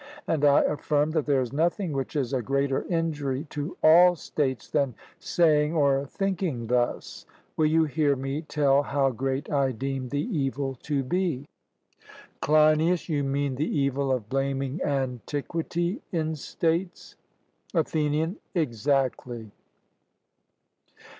And I affirm that there is nothing which is a greater injury to all states than saying or thinking thus. Will you hear me tell how great I deem the evil to be? CLEINIAS: You mean the evil of blaming antiquity in states? ATHENIAN: Exactly.